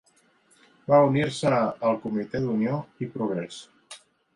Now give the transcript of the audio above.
Va unir-se al Comitè d'Unió i Progrés.